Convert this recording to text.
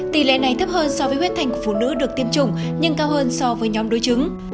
tỷ lệ này thấp hơn so với huyết thanh của phụ nữ được tiêm chủng nhưng cao hơn so với nhóm đối chứng